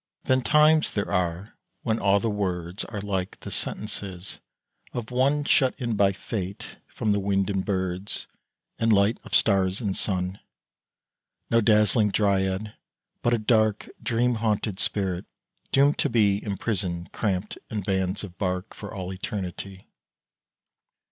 Then times there are when all the words Are like the sentences of one Shut in by Fate from wind and birds And light of stars and sun, No dazzling dryad, but a dark Dream haunted spirit doomed to be Imprisoned, crampt in bands of bark, For all eternity.